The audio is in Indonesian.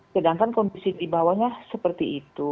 sedangkan kondisi di bawahnya seperti itu